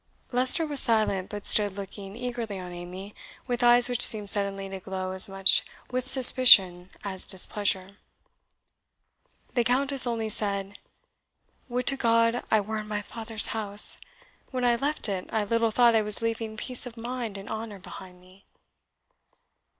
Leicester was silent, but stood looking eagerly on Amy, with eyes which seemed suddenly to glow as much with suspicion as displeasure. The Countess only said, "Would to God I were in my father's house! When I left it, I little thought I was leaving peace of mind and honour behind me."